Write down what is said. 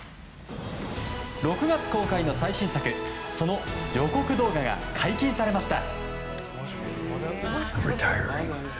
６月公開の最新作その予告動画が解禁されました！